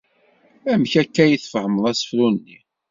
Amek akka ay tfehmeḍ asefru-nni?